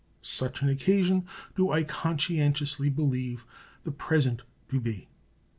Such an occasion do I conscientiously believe the present to be.